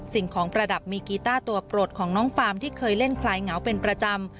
สิ่งของประดับมีกีต้าตัวโปรดของน้องฟาร์มที่เคยเล่นคลายเหงาเป็นประจำ